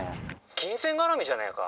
「金銭絡みじゃねえか？」